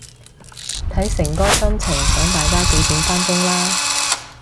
睇誠哥心情想大家幾點返工啦